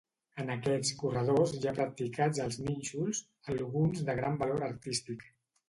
En aquests corredors hi ha practicats els nínxols, alguns de gran valor artístic.